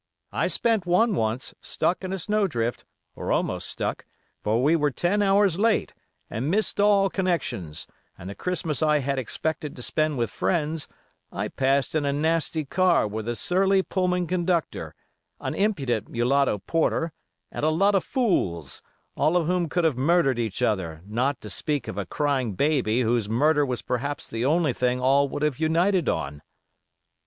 I spent one once, stuck in a snow drift, or almost stuck, for we were ten hours late, and missed all connections, and the Christmas I had expected to spend with friends, I passed in a nasty car with a surly Pullman conductor, an impudent mulatto porter, and a lot of fools, all of whom could have murdered each other, not to speak of a crying baby whose murder was perhaps the only thing all would have united on."